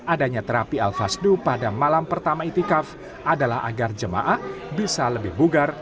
adanya terapi al fasdu pada malam pertama itikaf adalah agar jemaah bisa lebih bugar